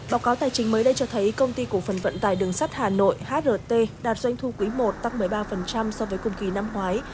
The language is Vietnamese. báo cáo tài chính mới đây cho thấy công ty cổ phần vận tải đường sắt hà nội hrt đạt doanh thu quý i tăng một mươi ba so với cùng kỳ năm ngoái